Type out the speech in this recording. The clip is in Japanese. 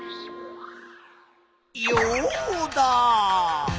ヨウダ！